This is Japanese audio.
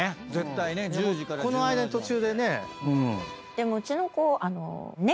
でもうちの子。